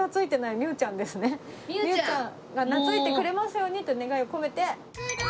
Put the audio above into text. ミュウちゃんが懐いてくれますようにと願いを込めて。